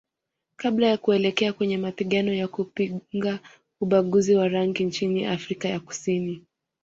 Kabla ya kuelekea kwenye mapigano ya kupinga ubaguzi wa rangi nchini Afrika ya Kusini